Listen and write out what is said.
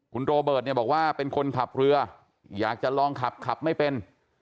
คุณโรเบิร์ตเนี่ยบอกว่าเป็นคนขับเรืออยากจะลองขับขับไม่เป็น